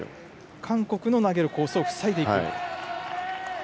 韓国の投げるコースを塞いでいく。